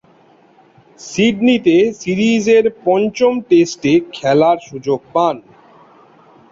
সিডনিতে সিরিজের পঞ্চম টেস্টে খেলার সুযোগ পান।